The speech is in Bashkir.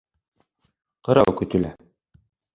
Ҡырау көтөлә